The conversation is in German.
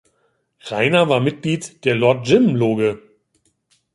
Rainer war Mitglied der Lord Jim Loge.